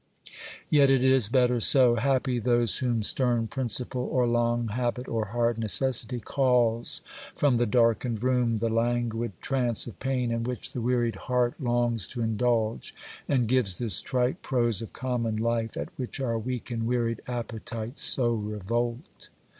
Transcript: Yet it is better so! Happy those whom stern principle or long habit or hard necessity calls from the darkened room, the languid trance of pain, in which the wearied heart longs to indulge, and gives this trite prose of common life, at which our weak and wearied appetites so revolt!